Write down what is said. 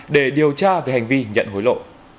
để điều tra về hành vi nhận hối lộ